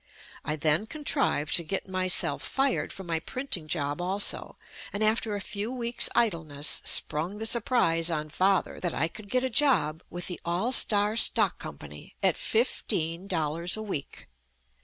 I then contrived to get myself fired from my printing job also, and after a few weeks' idleness, sprung the surprise on father that I could get a job with the "All Star Stock Company" at fifteen dollars a week.